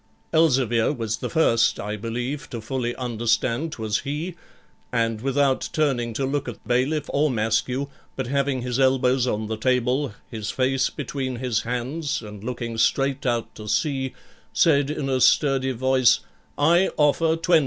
Elzevir was the first, I believe, to fully understand 'twas he; and without turning to look at bailiff or Maskew, but having his elbows on the table, his face between his hands, and looking straight out to sea said in a sturdy voice, 'I offer 20.'